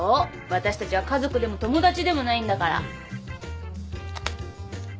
私たちは家族でも友達でもないんだから。